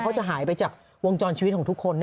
จะหายไปจากวงจรชีวิตของทุกคน